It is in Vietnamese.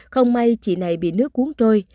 không may chị này bị nước cuốn trôi